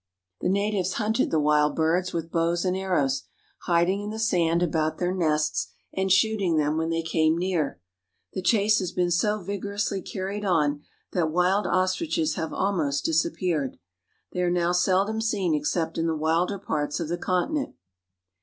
The natives hunted the wild birds with bows and arrows, hiding in the sand about their nests, and shooting them when they came near. The chase has been so vigorously carried on that wild ostriches have almost disappeared. They are now seldom seen except in the wilder parts of the continent.